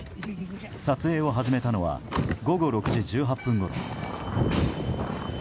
撮影を始めたのは午後６時１８分ごろ。